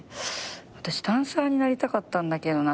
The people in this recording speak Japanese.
私ダンサーになりたかったんだけどな。